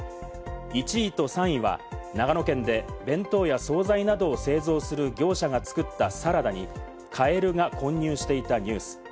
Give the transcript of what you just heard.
１位と３位は長野県で弁当や総菜などを製造する業者が作ったサラダにカエルが混入していたニュース。